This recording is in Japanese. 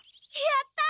やった！